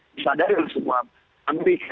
disadari oleh semua amerika